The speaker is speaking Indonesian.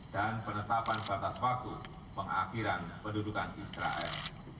dan penetapan batas faktur pengakhiran pendudukan israel